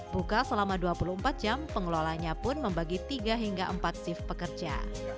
buka selama dua puluh empat jam pengelolanya pun membagi tiga hingga empat shift pekerja